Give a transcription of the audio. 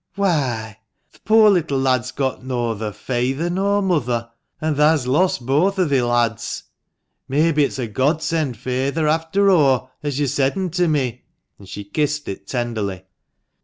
"Whoi, th' poor little lad's got noather feyther nor mother, an' thah's lost boath o' thi lads. Mebbe it's a Godsend, feyther, after o', as yo said'n to me," and she kissed it tenderly.